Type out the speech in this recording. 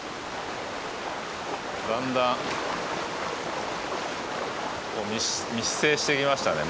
だんだん密生してきましたね。